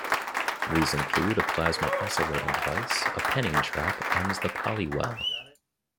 These include a plasma oscillating device, a penning trap and the polywell.